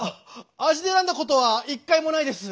味で選んだことは一回もないです。